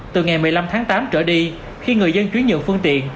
từ ngày một mươi năm tháng tám trở đi khi người dân chuyển nhượng phương tiện